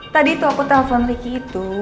tadi tuh aku telpon vicky itu